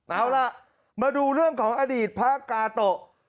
เอาล่ะมาดูเรื่องของอดีตพระกาโตะ